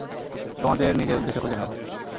তোমাদের নিজের উদ্দেশ্য খুঁজে নাও।